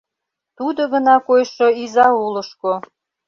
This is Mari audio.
Тудо гына койшо изаулышко